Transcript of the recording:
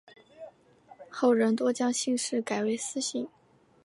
后人多将姓氏改为司姓。